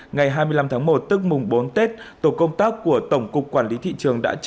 ngày hai mươi năm tháng một tức mùng bốn tết tổ công tác của tổng cục quản lý thị trường đã trả